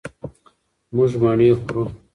مونږ مڼې خورو.